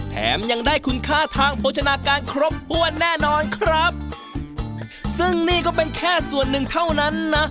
แถมยังได้คุณค่าทางโภชนาการครบถ้วนแน่นอนครับซึ่งนี่ก็เป็นแค่ส่วนหนึ่งเท่านั้นนะ